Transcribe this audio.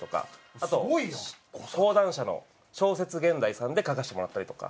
あと講談社の『小説現代』さんで書かせてもらったりとか。